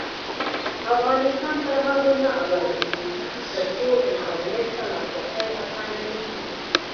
افغانستان تر هغو نه ابادیږي، ترڅو انټرنیټ ته لاسرسی اسانه نشي.